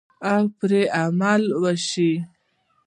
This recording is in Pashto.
او پرې عمل وشي.